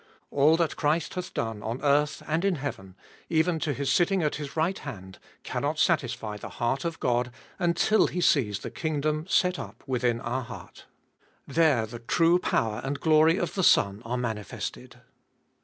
All that Christ hath done on earth and in heaven, even to His sitting at His right hand, cannot satisfy the heart of God until He sees the kingdom set up within our heart There the true power and glory of the Son are manifested.